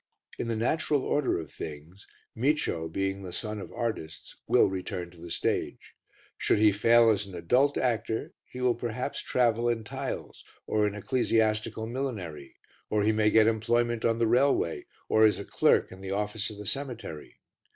In the natural order of things, Micio, being the son of artists, will return to the stage. Should he fail as an adult actor, he will perhaps travel in tiles or in ecclesiastical millinery, or he may get employment on the railway, or as a clerk in the office of the cemetery.